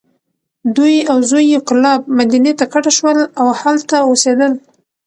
دی او زوی یې کلاب، مدینې ته کډه شول. او هلته اوسېدل.